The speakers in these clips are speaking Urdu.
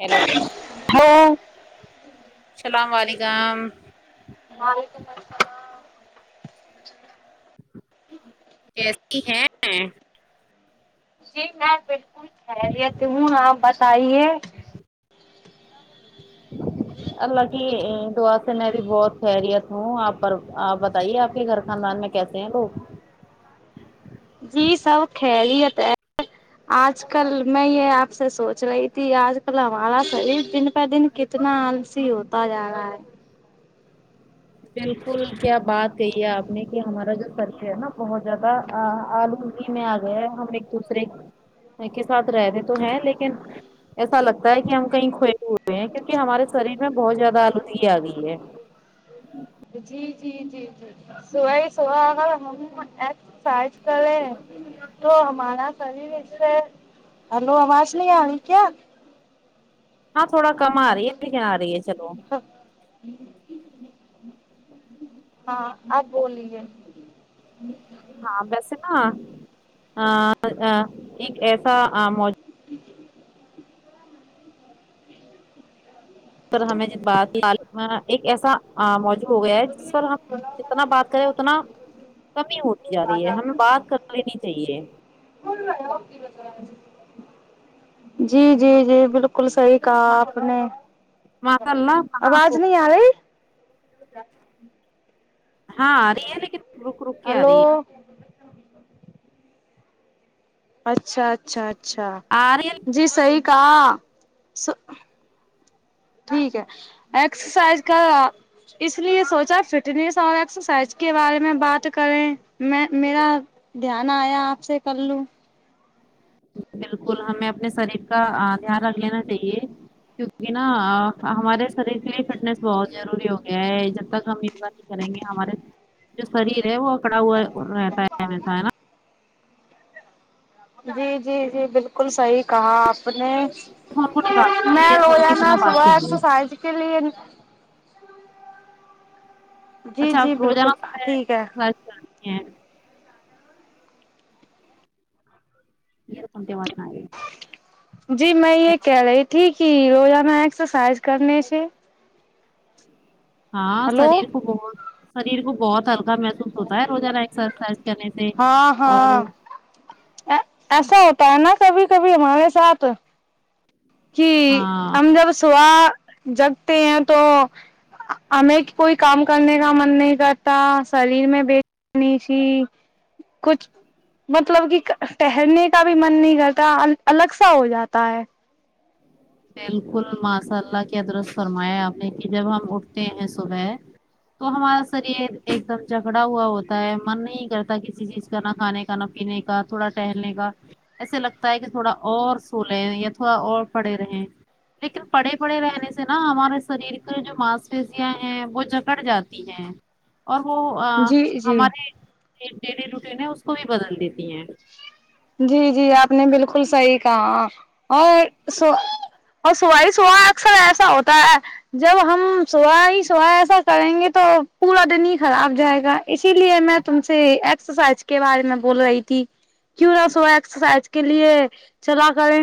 ہیلو ہاں سلام وعلیکم وعلیکم السلام کیسی ہے جی میں بالکل خیریت ہوں آپ بس آئیے اللہ کی دعا سے میں بھی بہت خیریت ہوں آپ پر آپ بتائیے آپ کے گھر خاندان میں کیسے ہیں لوگ جی سب کھیلیت ہے آج کل میں یہ آپ سے سوچ رہی تھی آج کل ہمارا شریر دن پہ دن کی کتنا آلسی ہوتا جارا ہے بالکل کیا بات کہی ہے آپ نے کہ ہمارا جو خرچہ ہے نا بہت زیادہ آل میں آ گیا ہم ایک دوسرے کے ساتھ رہتے تو ہیں لیکن ایسا لگتا ہے کہ ہم کہیں کھوئے ہوئے ہیں کیونکہ ہمارے شریر میں بہت زیادہ آلودگی آ گئی ہے جی جی جی جی صبح ہی صبح اگر ہم [unintelligible] کرے تو ہمارا سریر سے ہلو آواز نہیں آری کیا ہاں تھوڑا کم آ رہی ہے لیکن آ رہی ہے چلو ہاں آپ بولیے ہاں ویسے نا ایک ایسا موج سر ہمیں جس بات تعال ایک ایسا موجوع ہو گیا ہے جس پر ہم جتنا بات کرے اتنا کمی ہوتی جا رہی ہے ہمیں بات کرلینی چاہیے [unintelligible] جی جی جی بالکل بالکل صحیح کہا آپ نے ماشاء اللہ کہاں آواز نہیں آ رہی ہاں آ رہی ہے لیکن رک رک کے آ ہلو رہی ہے اچھا اچھا اچھا آ رہی ہے جی صحیح کہا ٹھیک ہے ایکسرسائز کا اس لیے سوچا فٹنیس اور ایکسرسائز کے بارے میں بات کریں میں میرا دھیان آیا آپ سے کر لوں بالکل ہمیں اپنے شریر کا دھیان رکھ لینا چاہیے کیونکہ نا ہمارے شریر کے لیے فٹنیس بہت ضروری ہوگی کیا ہے جب تک ہم یوگا نہیں کریں گے ہمارے جو شریر ہے وہ پڑا ہوا رہتا ہے ایس ہے نا جی جی جی بالکل صحیح کہا آپ نے فون کو نکال دیجیے میں ایئر فون کے روزانا بنا بات صبح [inaudible] کریے ایکسرسائز کے لیے جی اچھا آپ جی روزانہ بالکل صبح ٹھیک ہے یکسرسائز کرنی ہے [unintelligible] جی میں یہ ہیلو۔ کہہ رہی تھی کہ روزانہ ایکسرسائز کرنے سے ہاں ہلو شریر کو بہت شریر کو بہت ہلکا محسوس ہوتا ہے روزانہ ایکسرسائز کرنے سے ہاں اور ہاں ایسا ہوتا ہے نا کبھی کبھی ہمارے ساتھ کہ ہاں ہم جب صبح جگتے ہیں تو ہمیں کوئی کام کرنے کا من نہیں کرتا شریر میں بیچنی سی کچھ مطلب کہ ٹہلنے کا بھی من نہیں کرتا الگ سا ہو جاتا ہے بالکل ماشاء اللہ کی ادرس فرمایا آپ نے کہ جب ہم اٹھتے ہیں صبح تو ہمارا شریر ایک دم جگڑا ہوا ہوتا ہے من نہیں کرتا کسی چیز کا نہ کھانے کا کھانا پینے کا تھوڑا ٹہلنے کا ایسے لگتا ہے کہ تھوڑا اور سو لیں یا تھوڑا اور پڑے رہیں لیکن پڑے پڑے رہنے سے نا ہمارے شریر کے جو ماس پیشیاں ہیں وہ جکڑ جاتی ہیں اور وہ ا جی جی ہماری ڈیلی روٹین ہے اس کو بھی بدل دیتی ہیں جی جی آپ نے بالکل صحیح کہا اور سو اور صبح ہی صبح اکثر ایسا ہوتا ہے جب ہم صبح ہی صبح ایسا کریں گے تو پورا دن ہی خراب جائے گا اسی لیے میں تو تم سے ایکسرسائز کے بارے میں بول رہی تھی کیوں نہ صبح ایکسرسائز کے لیے چلا کریں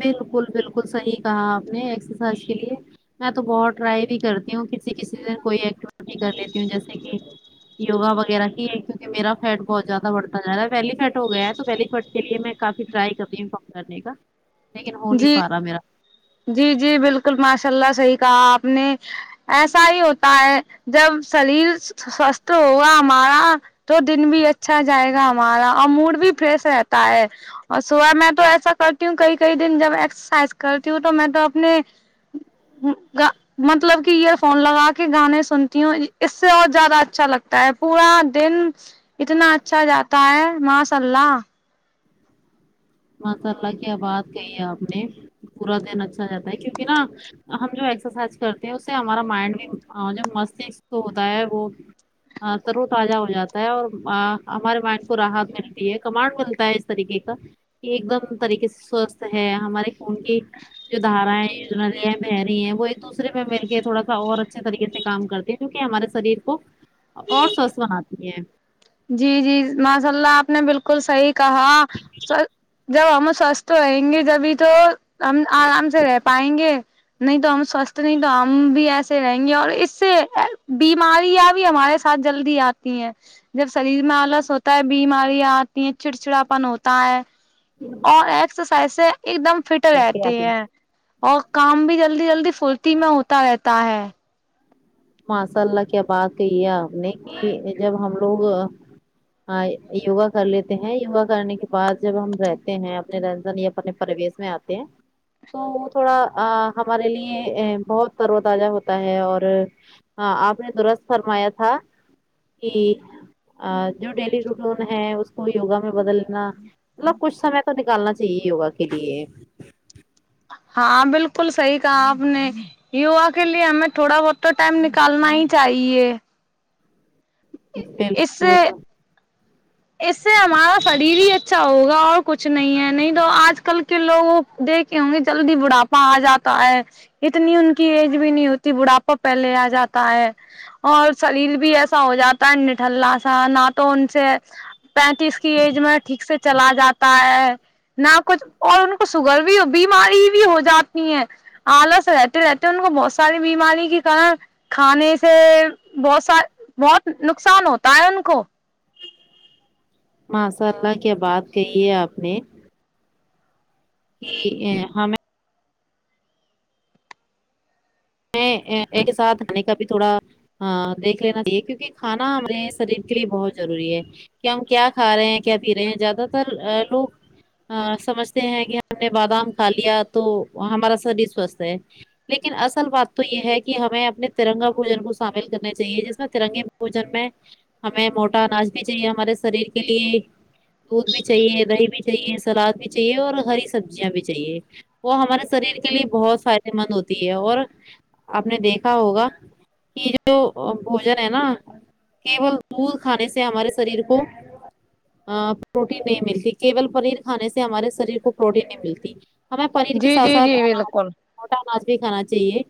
بالکل بالکل صحیح کہا آپ نے ایکسرسائز کے لیے میں تو بہت ٹرائی بھی کرتی ہوں کسی کسی کی کوئی ایکٹیوٹی کر لیتی ہوں جیسے کہ یوگا وغیرہ کی ہے کیونکہ کہ میرا فٹ بہت زیادہ بڑھتا جا رہا ہے بیلی فیٹ ہو گیا ہے تو بیلی فٹ کے لیے میں کافی ٹرائی کر رہی [unintelligible] کرنے کا لیکن ہو نہیں جی پا رہا میرا جی جی بالکل ماشاء اللہ صحیح کہا آپ نے ایسا ہی ہوتا ہے جب شریر سوستھ ہوگا ہمارا تو دن بھی اچھا جائے گا ہمارا اور موڈ بھی فریش رہتا ہے اور صبح میں تو ایسا کرتی ہوں کئی کئی دن جب ایکسرسائز کرتی ہوں تو میں تو اپنے ہوں گا مطلب کہ ایئر فون لگا کے گانے سنتی ہوں اس سے اور زیادہ اچھا لگتا ہے پورا دن اتنا اچھا جاتا ہے ماشاء اللہ مشاء اللہ کیا بات کہی ہے آپ نے پورا دن اچھا جاتا ہے کیونکہ نا ہم جو ایکسرسائز کرتے ہیں اس سے ہمارا مائنڈ بھی جو مستشک کو ہوتا ہے وہ ہاں صرور تازہ ہو جاتا ہے اور ہمارے مائنڈ کو راحت ملتی ہے کمانڈ ملتا ہے طریقے کا یہ ایک دم طریقے سے سوستھ ہے ہمارے خون کی جو دھارایں [unintelligible] ہیں وہ ایک دوسرے پہ مل کے تھوڑا سا اور اچھے طریقے سے کام کرتے ہیں کیونکہ کہ ہمارے شریر کو اور سوست بناتی ہیں جی جی ماشاء اللہ آپ نے بالکل صحیح کہا جب ہم سوستھ رہیں گے جبھی تو ہم آرام سے رہ پائیں گے نہیں تو ہم سوستھ نہیں تو ہم بھی ایسے رہیں گے اور اس سے بیماریاں بھی ہمارے جلدی آتی ہے جب شریر میں آلس ہوتا ہے بیمارییاں آتی ہیں چڑچھڑاپن ہوتا ہے اور ایکسرسائز سے ایک دم فٹ اوکے، رہتی آپ نے ہیں اور کام بھی جلدی جلدی پھرتی میں ہوتا رہتا ہے ماشاء اللہ کیا بات کہی ہے آپ نے کہ جب ہم لوگ ہاں یوگا کر لیتے ہیں یوگا کرنے کے بعد جب ہم رہتے ہیں اپنے [unintelligible] اپنے پرویش میں آتے ہیں تو وہ تھوڑا ا ہمارے لیے ا بہت تر و تازہ ہوتا ہے اور ہاں آپ نے درست فرمایا تھا کہ جو ڈیلی روٹون ہے اس کو یوگا میں بدلنا مطلب کچھ سمے تو نکالنا چاہیے ہوگا کے لیے ہاں بالکل صحیح کہا آپ نے یوگا کے لیے ہمیں تھوڑا بہت تو ٹائم نکالنا ہی چاہیے اس سے بالکل اس سے ہمارا شریر ہی اچھا ہوگا اور کچھ نہیں ہے نہیں تو آج کل کے لوگوں دیکھے ہوں گے جلدی بڑھاپا آ جاتا ہے اتنی ان کی ایج بھی نہیں ہوتی بڑھاپا پہلے آ جاتا ہے اور سلیل بھی ایسا ہو جاتا ہے نٹھللا سا نہ تو ان سے پینتیس کی ایج میں ٹھیک سے چلا جاتا ہے نہ کچھ اور ان کو سوگر بھی بیماری بھی ہو جاتی ہے آلس رہتے رہتے ان کو بہت ساری بیماری کے کن کھانے سے بہت سا بہت نقصان ہوتا ہے ان کو ماشاء اللہ کیا بات کہی ہے آپ نے کہ یہ ہمیں میں ایک ساتھ آنے کا بھی تھوڑا ہاں دیکھ لینا چاہیے کیونکہ کھانا ہمیں شریر کے لیے بہت ضروری ہے کہ ہم کیا کھا رہے ہیں کیا پی رہے ہیں زیادہ تر لوگ سمجھتے ہیں کہ ہم نے بادام کھا لیا تو ہمارا شریر سوستھ ہے لیکن اس اصل بات تو یہ ہے کہ ہمیں اپنے ترنگا بھوجن کو شامل کرنے چاہیے جس میں ترنگے بھوجن میں ہمیں موٹا اناج بھی چاہیے ہمارے شریر کے لیے دودھ بھی چاہیے دہی بھی چاہیے سلاد بھی چاہیے اور ہری سبزیاں بھی چاہیے وہ ہمارے شریر کے لیے بہت فائدے مند ہوتی ہے اور آپ نے دیکھا ہوگا کہ جو بھوجن ہے نا کیول دودھ کھانے سے ہمارے شریر کو پروٹین نہیں ملتی کیول پنیر کھانے سے ہمارے شریر کو پروٹین نہیں ملتی ہمیں پنیر کے ساتھ جی ساتھ جی اناج بالکل موٹا اناج بھی کھانا چاہیے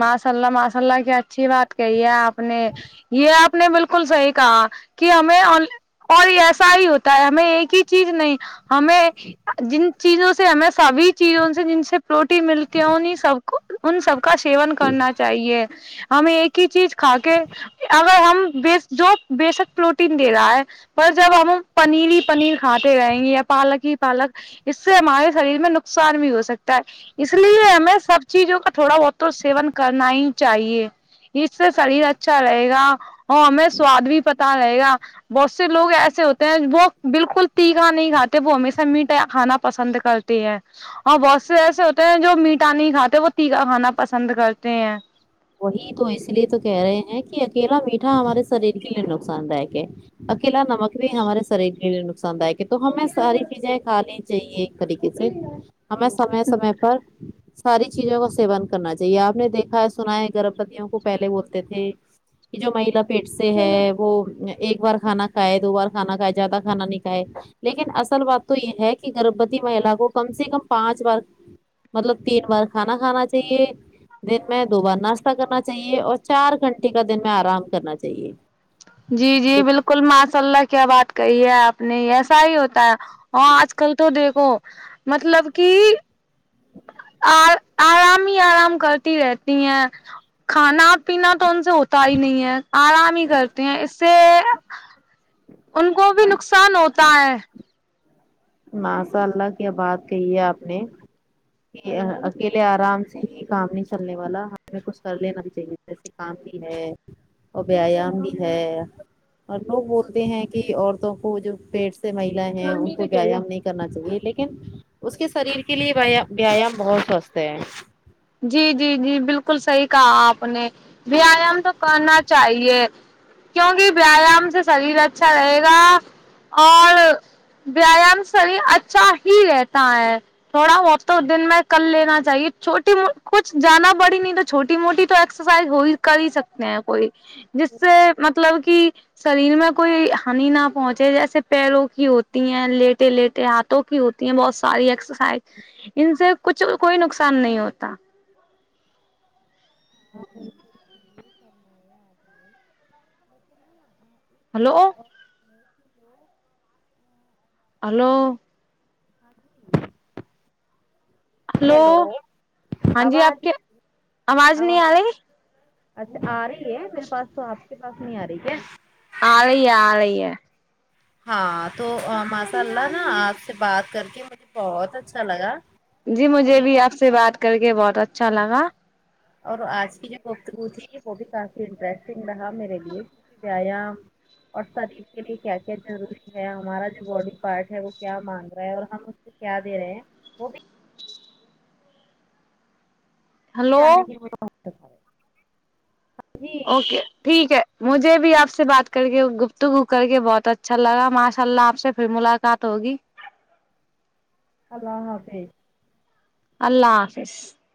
ماشاء اللہ ماشاء اللہ کیا اچھی بات کہی ہے آپ نے یہ آپ نے بالکل صحیح کہا کہ ہمیں اور ایسا ہی ہوتا ہے ہمیں ایک ہی چیز نہیں ہمیں جن چیزوں سے ہمیں سبھی چیزوں سے جن سے پروٹین ملتی ہے انہی سب کو ان سب کا سیون کرنا چاہیے ہمیں ایک ہی چیز کھا کے اگر ہم جو بسک پروٹین دے رہا ہے پر جب ہم پنیر ہی پنیر کھاتے رہیں گے یا پالک ہی پالک اس سے ہمارے شریر میں نقصان بھی ہو سکتا ہے اس لیے ہمیں سب چیزوں کا تھوڑا بہت تو سیون کرنا ہی چاہیے اس سے شریر اچھا رہے گا اور ہمیں سواد بھی پتا رہے گا بہت سے لوگ ایسے ہوتے ہیں وہ بالکل تیکھا نہیں کاتے وہ ہمیشہ میٹھا یا کھانا پسند کر کی ہے اور بہت سے ایسے ہوتے ہیں جو میٹا نہیں کھاتے وہ تھیکا کھانا پسند کرتے ہیں وہی تو اس لیے تو کہہ رہے ہیں کہ اکیلا میٹھا ہمارے شریر کے لیے نقصان دائک ہے اکیلا نمک بھی ہمارے شریر کے لیے نقصان دائک ہے تو ہمیں ساری چیزیں کھا لی چاہیے ایک طریقے سے ہمیں سمے سمے پر ساری چیزوں کا سیون کرنا چاہیے آپ نے دیکھا سنا ہے گربواتیوں کو پہلے بولتے تھے کہ جو مہیلا پیٹ سے ہے وہ ایک بار کھانا کھائے دو بار کھانا کھائے زیادہ کھانا نہیں کھائے لیکن اصل بات تو یہ ہے کہ گربوتی مہیلا کو کم سے کم پانچ بار مطلب تین بار کھانا کھانا چاہیے دن میں دو بار ناشتہ کرنا چاہیے اور چار گھنٹے کا دن میں آرام کرنا چاہیے جی جی جب بالکل ماشاء اللہ کیا بات کہی ہے آپ نے ایسا ہی ہوتا ہے ہاں آج کل تو دیکھو مطلب کی آ آرام ہی آرام کرتی رہتی ہیں کھانا پینا تو ان سے ہوتا ہی نہیں ہے آرام ہی کرتے ہیں اس سے ان کو بھی نقصان ہوتا ہے ماشاء اللہ کی بات کہی ہے آپ نے اکیلے آرام سے ہی کام نہیں چلنے والا ہمیں کچھ کر لینا بھی چاہیے کام بھی ہے اور ویام بھی ہے اور لوگ بولتے ہیں کہ عورتوں کو جو پیٹ سے مہیلا ہیں ان کو ویام نہیں کرنا چاہیے لیکن اس کے شریر کے لیے ویایام بہت سوستھ ہے جی جی جی بالکل صحیح کہا آپ نے ویایام تو کرنا چاہیے کیونکہ ویایام سے شریر اچھا رہے گا اور ویایام سر اچھا ہی رہتا ہے تھوڑا ہ اب تو دن میں کل لینا چاہیے چھوٹی کچھ جانا پڑی نہیں تو چھوٹی موٹی تو ایکسرسائز ہو ہی کر ہی سکتے ہیں کوئی جس سے مطلب کی شریر میں کوئی ہانی نہ پہنچے جیسے پیروں کی ہوتی ہیں لیٹے لیٹے ہاتھ کی ہوتی ہیں بہت ساری ایکسرسائز ان سے کچھ کوئی نقصان نہیں ہوتا ہلو ہلو ہلو ہیلو ہاں جی آواز آپ کی نہیں آ آواز رہی اچھا آ رہی ہے میرے پاس تو آپ کے پاس نہیں آ رہی کیا آرہی ہے آرہی ہے ہاں تو ماشاء اللہ نا آپ سے بات کر کے مجھے بہت اچھا لگا جی کہ مجھے بھی آپ سے بات کر کے بہت اچھا لگا اور آج کی جو گفتگو تھی وہ بھی کافی انٹرسٹنگ رہا میرے لیے کی ویا اور شریر کے لیے کیا کیا ضروری ہے ہمارا جو باڈی پارٹ ہے وہ کیا مانگ رہا ہے اور ہم کیا دیرآرہے ہے ہلو اوکے ٹھیک ہے مجھے بھی آپ سے بات کر کے گفتکو کر کے بہت اچھا اچھا لگا ماشاء اللہ آپ سے پھر ملاقات ہوگی اللہ حافظ اللہ حافظ